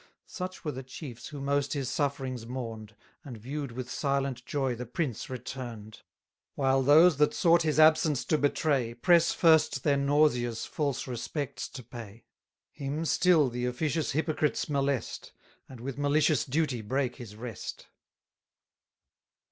Such were the chiefs who most his sufferings mourn'd, And view'd with silent joy the prince return'd; While those that sought his absence to betray, Press first their nauseous false respects to pay; Him still the officious hypocrites molest, And with malicious duty break his rest.